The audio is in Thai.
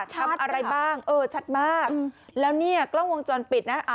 ทำอะไรบ้างเออชัดมากแล้วเนี่ยกล้องวงจรปิดนะ